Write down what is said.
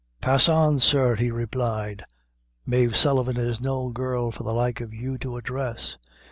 "Pass on, sir," he replied; "Mave Sullivan is no girl for the like of you to address.